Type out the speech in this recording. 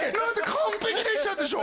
完璧でしたでしょ？